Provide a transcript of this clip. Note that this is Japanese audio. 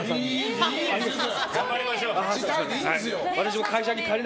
頑張りましょう。